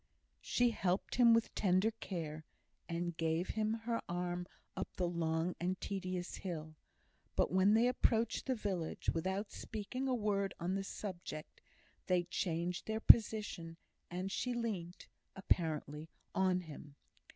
She helped him with tender care, and gave him her arm up the long and tedious hill; but when they approached the village, without speaking a word on the subject, they changed their position, and she leant (apparently) on him.